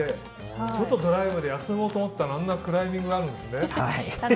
ちょっとドライブで休もうと思ったらあんなクライミングがあるんですね。